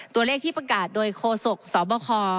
ตัวเลขที่ประกาศโดยโคศกสบค